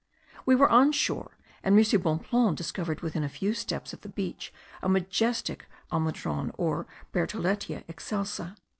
We went on shore, and M. Bonpland discovered within a few steps of the beach a majestic almendron, or Bertholletia excelsa.